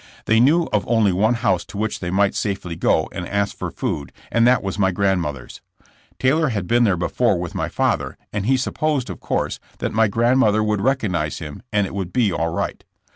They knew of only one house to which they might safely go and ask for food, and that was my grandmother's. Taylor had been there before with my father, and he supposed, of course, that my grandmother would recognize him and it would be all right.